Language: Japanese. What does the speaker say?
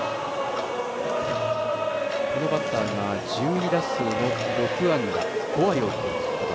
このバッターが１２打数６安打５割を切っていると。